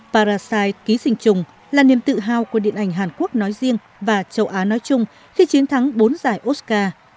parasite ký sinh trùng là niềm tự hào của điện ảnh hàn quốc nói riêng và châu á nói chung khi chiến thắng bốn giải oscar